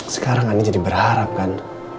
sekarang anda jadi berharap kan